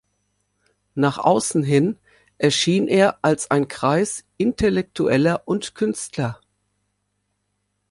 Nach außen hin erschien er als ein Kreis Intellektueller und Künstler.